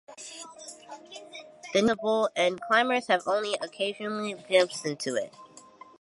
The new crater is inaccessible and climbers have only occasionally glimpsed into it.